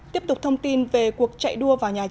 tiếp tục thông tin về cuộc chạy đua vào nhà trắng